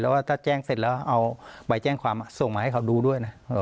แล้วก็ถ้าแจ้งเสร็จแล้วเอาใบแจ้งความส่งมาให้เขาดูด้วยนะ